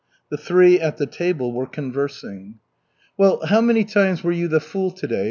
The three at the table were conversing. "Well, how many times were you the 'fool' to day?"